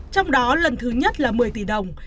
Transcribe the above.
trong đó lần thứ nhất là một mươi tỷ đồng